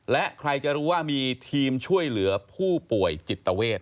และใครจะรู้ว่ามีทีมช่วยเหลือผู้ป่วยจิตเวท